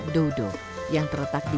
dodo yang terletak di